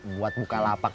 buat buka lapak